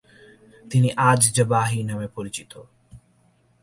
তিনি আয-যাহাবী নামে পরিচিত।